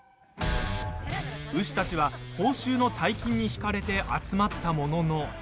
ウシたちは報酬の大金に引かれて集まったものの。